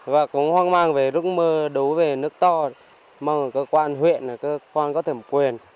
và cũng hoang mang về lúc mưa đố về nước to mong là cơ quan huyện cơ quan có thẩm quyền